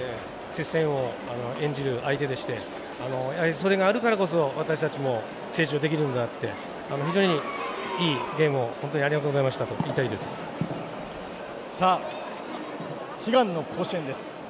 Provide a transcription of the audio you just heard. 本当にいつも接戦を演じる相手でしてそれがあるからこそ私たちも成長できるんだなって非常にいいゲームを本当にありがとうございましたと悲願の甲子園です。